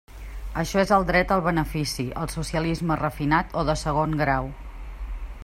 Això és el dret al benefici, el socialisme refinat o de segon grau.